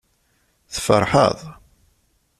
Tferḥeḍ?